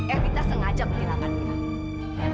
evita sengaja menginakan mira